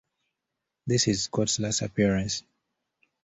This is Scott's last appearance.